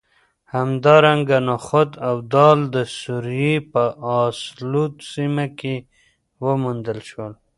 همدارنګه نخود او دال د سوریې په الاسود سیمه کې وموندل شول